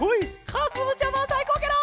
かずむちゃまさいこうケロ！